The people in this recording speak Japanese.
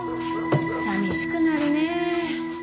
さみしくなるね。